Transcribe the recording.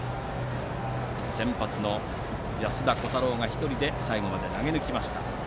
先発の安田虎汰郎が１人で最後まで投げ抜きました。